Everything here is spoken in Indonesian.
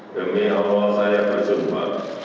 demi allah saya bersumpah